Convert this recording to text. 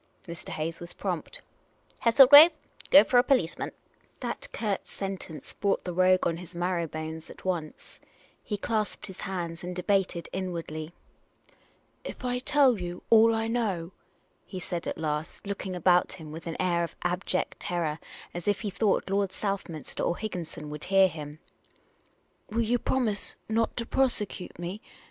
Mr. Hayes was prompt. " Hesslegrave, go for a police mdU." 33^ Miss Cayley's Adventures That curt sentence brought the rogue on his marrow bones at once. He clasped his hands and debated inwardly. " If I tell you all I know," he said, at last, looking about him with an air of abject terror, as if he thought Lord South minster or Higginson would hear him, " will you promise not to prosecute me?"